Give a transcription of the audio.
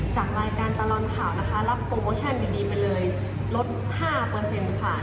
จากรายการตลอดข่าวนะคะรับโปรโมชั่นดีไปเลยลด๕ค่ะ